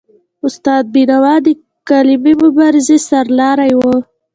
استاد بینوا د قلمي مبارزې سرلاری و.